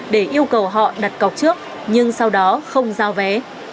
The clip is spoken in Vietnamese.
để yêu cầu họ đặt cọc trước nhưng sau đó không giao vé